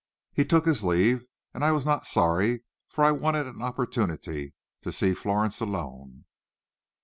He took his leave, and I was not sorry, for I wanted an opportunity to see Florence alone.